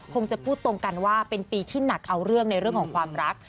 คงจะพูดตรงกันว่าเป็นปีที่หนักเอาเรื่องในเรื่องของความรัก